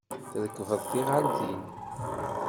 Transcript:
Trekbeḍ tiɣaltin.